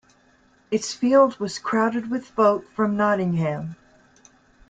Its field was crowded with folk from Nottingham.